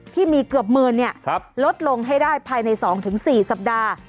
ที่มีเกือบหมื่นลดลงให้ได้ภายใน๒๔สัปดาห์